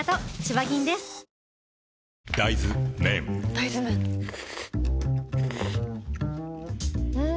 大豆麺ん？